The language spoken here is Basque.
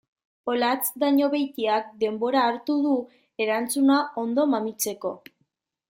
Olatz Dañobeitiak denbora hartu du erantzuna ondo mamitzeko.